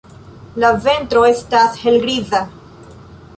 La ventro estas helgriza.